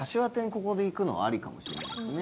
ここでいくのはありかもしれないですね。